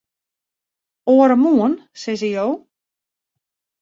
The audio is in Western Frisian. Oaremoarn, sizze jo?